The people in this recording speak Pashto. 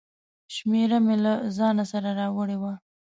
شمېره مې له ځانه سره راوړې وه.